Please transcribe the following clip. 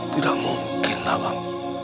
tidak mungkin abang